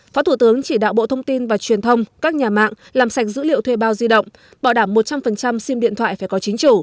phó thủ tướng chỉ đạo bộ thông tin và truyền thông các nhà mạng làm sạch dữ liệu thuê bao di động bảo đảm một trăm linh sim điện thoại phải có chính chủ